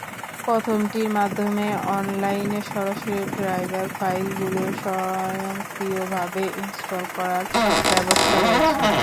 প্রথমটির মাধ্যমে অনলাইনে সরাসরি ড্রাইভার ফাইলগুলো স্বয়ংক্রিয়ভাবে ইনস্টল করার ব্যবস্থা রয়েছে।